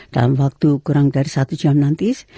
dalam waktu kurang dari satu jam nanti